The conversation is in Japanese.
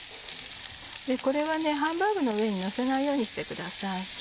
これはハンバーグの上にのせないようにしてください。